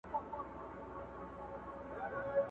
امنیت، اقتصاد له پامه غورځول شوي وي